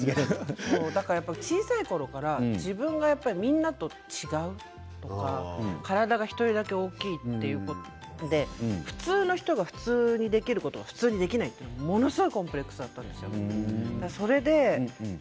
小さいころから自分がみんなと違う体が１人だけ大きいということで普通の人が普通にできることが普通にできないってものすごいコンプレックスがあったんです。